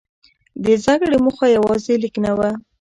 د زده کړې موخه یوازې لیک نه وه.